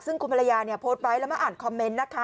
ซึ่งคุณภรรยาเนี่ยโพสต์ไว้แล้วมาอ่านคอมเมนต์นะคะ